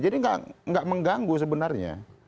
jadi nggak mengganggu sebenarnya